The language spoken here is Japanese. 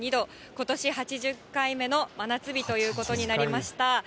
ことし８０回目の真夏日ということになりました。